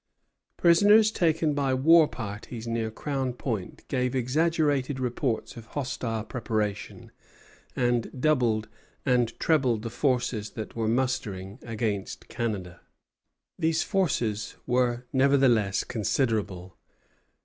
Prisoners taken by war parties near Crown Point gave exaggerated reports of hostile preparation, and doubled and trebled the forces that were mustering against Canada. Vaudreuil au Ministre, 22 Juin, 1760. These forces were nevertheless considerable.